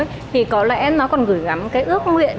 thì có lẽ nó còn gửi gắm cái ước nguyện